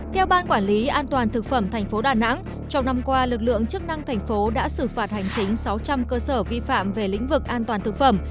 theo ban quản lý an toàn thực phẩm tp đà nẵng trong năm qua lực lượng chức năng thành phố đã xử phạt hành chính sáu trăm linh cơ sở vi phạm về lĩnh vực an toàn thực phẩm